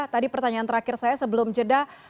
tadi pertanyaan terakhir saya sebelum jeda